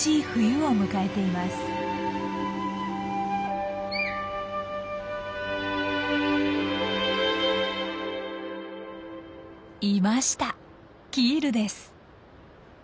いましたキールです。